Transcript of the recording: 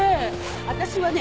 私はね